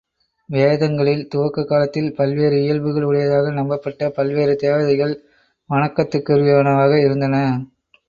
வேதங்களின் துவக்க காலத்தில் பல்வேறு இயல்புகள் உடையதாக நம்பப்பட்ட பல்வேறு தேவதைகள் வணக்கத்திற்குரியனவாக இருந்தன.